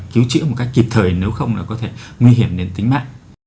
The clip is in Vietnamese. cứu chữa một cách kịp thời nếu không có thể nguy hiểm đến tính mạng